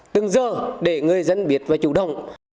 tương dơ để người dân biết và chủ động